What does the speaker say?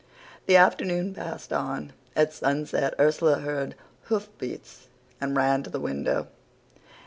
"The afternoon passed on. At sunset Ursula heard hoof beats and ran to the window.